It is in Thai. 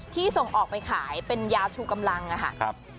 ส่งออกไปขายเป็นยาชูกำลังค่ะ